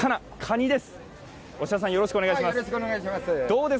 忍田さん、よろしくお願いします。